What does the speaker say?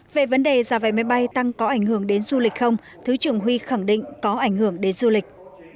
về vấn đề giá vé máy bay tăng có ảnh hưởng đến du lịch không thứ trưởng huy khẳng định có ảnh hưởng đến du lịch